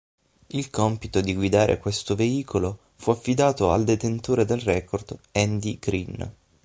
Il compito di guidare questo veicolo fu affidato al detentore del record Andy Green.